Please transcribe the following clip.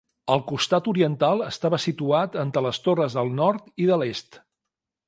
El costat oriental estava situat entre les torres del nord i de l'est.